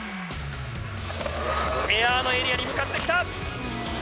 エアのエリアに向かってきた。